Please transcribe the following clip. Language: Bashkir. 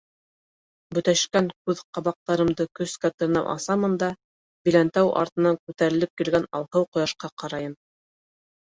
Бөтәшкән күҙ ҡабаҡтарымды көскә тырнап асамын да Биләнтау артынан күтәрелеп килгән алһыу ҡояшҡа ҡарайым.